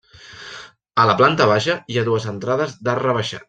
A la planta baixa hi ha dues entrades d'arc rebaixat.